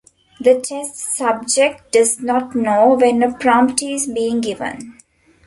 The test subject does not know when a prompt is being given.